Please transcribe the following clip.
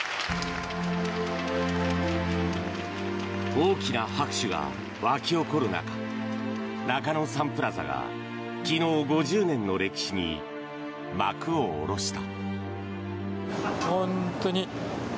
大きな拍手が沸き起こる中中野サンプラザが昨日５０年の歴史に幕を下ろした。